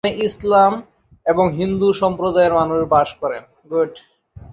এখানে ইসলাম এবং হিন্দু সম্প্রদায়ের মানুষ বাস করেন।